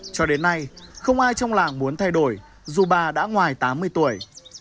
cho đến nay không ai trong làng muốn thay đổi dù bà đã ngoài tám mươi tuổi